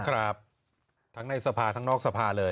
ครับทั้งในสภาทั้งนอกสภาเลย